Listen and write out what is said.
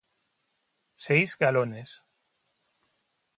seis galones